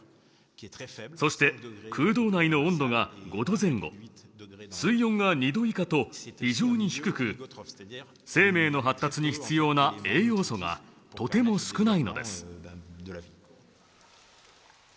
そして空洞内の温度が５度前後水温が２度以下と非常に低く生命の発達に必要な栄養素がとても少ないのです。